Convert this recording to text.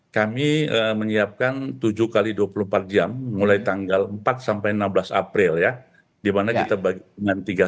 kami menyiapkan tujuh x dua puluh empat jam mulai tanggal empat sampai enam belas april ya di mana kita bagi dengan tiga puluh